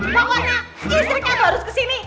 pokoknya istri kamu harus kesini